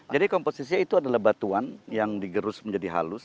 jadi komposisi itu adalah batuan yang digerus menjadi halus